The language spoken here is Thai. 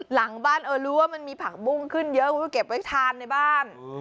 หลังบ้านเออรู้ว่ามันมีผักบุ้งขึ้นเยอะมันก็เก็บไว้ทานในบ้าน